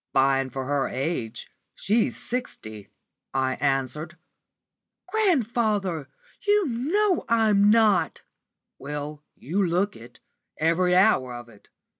'Fine for her age she's sixty,' I answered." "Grandfather, you know I'm not!" "Well, you look it, every hour of it.